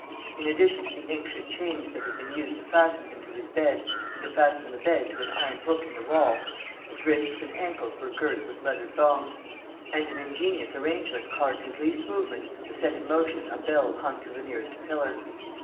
In addition to the ancient chains that had been used to fasten him to his bed and to fasten the bed to an iron hook in the wall, his wrists and ankles were girt with leather thongs; and an ingenious arrangement caused his least movement to set in motion a bell hung to the nearest pillar.